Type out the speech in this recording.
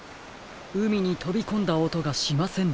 うみにとびこんだおとがしませんでしたね。